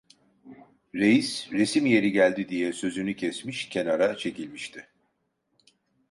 Reis resim yeri geldi diye sözünü kesmiş, kenara çekilmişti.